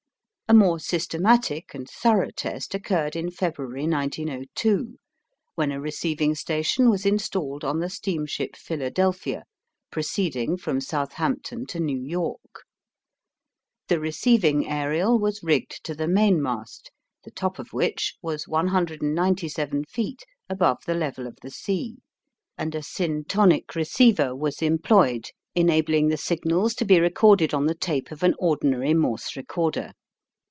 A more systematic and thorough test occurred in February, 1902, when a receiving station was installed on the steamship Philadelphia, proceeding from Southampton to New York. The receiving aerial was rigged to the mainmast, the top of which was 197 feet above the level of the sea, and a syntonic receiver was employed, enabling the signals to be recorded on the tape of an ordinary Morse recorder.